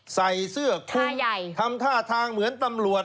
ใส่เสื้อคอใหญ่ทำท่าทางเหมือนตำรวจ